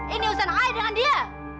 ini usaha saya dengan dia